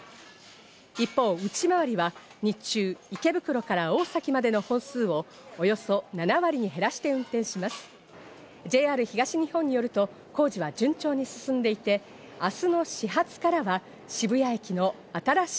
一方、内回りは日中、池袋から大崎までの本数をおよそ７割に減らして運転します。